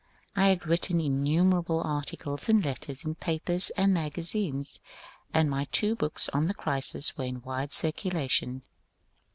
I had written innumerable articles and letters in papers and magazines, and my two books on the crisis were in wide circulation.